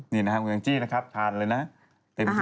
นี่นะฮะคุณกินที่นะครับทานเลยนะเต็มที่ครับ